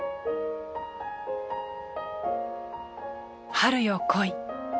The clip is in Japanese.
『春よ、来い』。